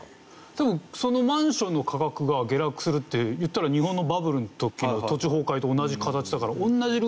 多分そのマンションの価格が下落するっていったら日本のバブルの時の土地崩壊と同じ形だから。